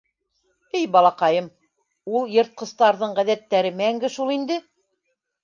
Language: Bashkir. — Эй балаҡайым, ул йыртҡыстарҙың ғәҙәттәре мәңге шул инде.